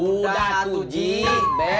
udah satu ji be